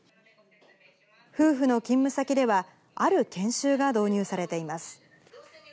夫婦の勤務先では、ある研修が導入されています。